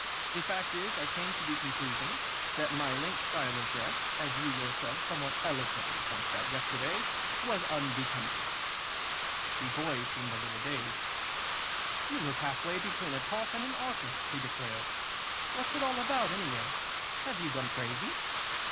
"The fact is I came to the conclusion that my late style of dress, as you yourself somewhat eloquently pointed out yesterday, was unbecoming." The boy seemed a little dazed. "You look half way between a toff and an artist!" he declared. "What's it all about, anyway? Have you gone crazy?"